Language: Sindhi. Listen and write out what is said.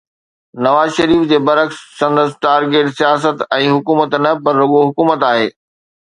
نواز شريف جي برعڪس سندس ٽارگيٽ سياست ۽ حڪومت نه پر رڳو حڪومت آهي.